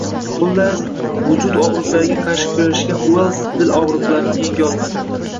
Xullas, vujud og‘riqlariga qarshi kurashgan Uelss dil og‘riqlarini yengolmadi